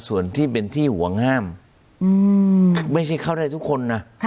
ส่วนที่เป็นที่หัวง่ามอืมไม่ใช่เข้าได้ทุกคนน่ะค่ะ